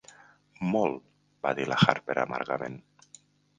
"Molt", va dir la Harper amargament.